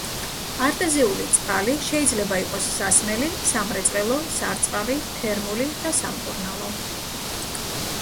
არტეზიული წყალი შეიძლება იყოს სასმელი, სამრეწველო, სარწყავი, თერმული და სამკურნალო.